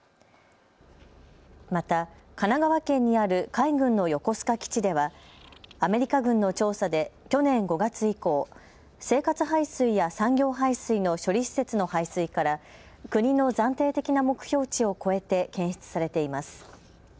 また神奈川県にある海軍の横須賀基地ではアメリカ軍の調査で去年５月以降、生活排水や産業排水の処理施設の排水から国の暫定的な目標値を超えて検出されています。